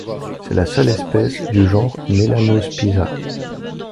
C'est la seule espèce du genre Melanospiza.